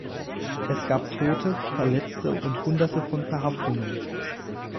Es gab Tote, Verletzte und Hunderte von Verhaftungen.